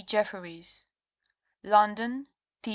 Jefferys. London: T.